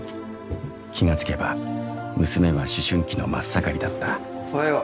気がつけば娘は思春期の真っ盛りだったおはよう